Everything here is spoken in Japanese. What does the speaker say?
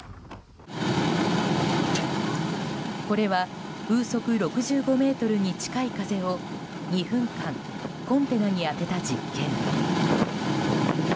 これは風速６５メートルに近い風を２分間コンテナに当てた実験。